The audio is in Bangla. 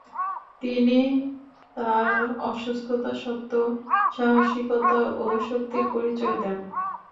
তিনি তার অসুস্থতা সত্ত্বেও সাহসিকতা ও শক্তির পরিচয় দেন।